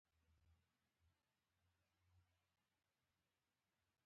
فروډ او يونګ.